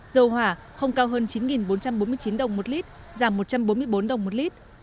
dầu hỏa không cao hơn chín bốn trăm bốn mươi chín đồng một lít giảm một trăm bốn mươi bốn đồng một lít